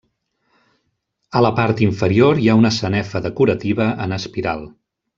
A la part inferior hi ha una sanefa decorativa en espiral.